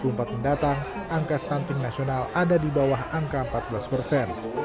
dua ribu empat mendatang angka stunting nasional ada di bawah angka empat belas persen